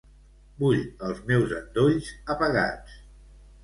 Vull els meus endolls apagats.